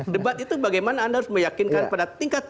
debat itu bagaimana anda harus meyakinkan pada tingkat